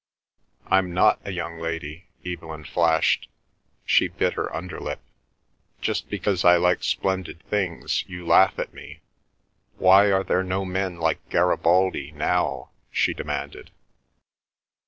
"I'm not a young lady," Evelyn flashed; she bit her underlip. "Just because I like splendid things you laugh at me. Why are there no men like Garibaldi now?" she demanded.